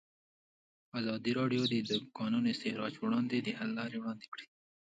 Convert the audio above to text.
ازادي راډیو د د کانونو استخراج پر وړاندې د حل لارې وړاندې کړي.